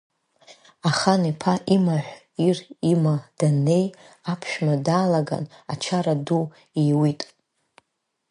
Ахан-иԥа имаҳә ир има даннеи, аԥшәма даалаган ачара ду иуит.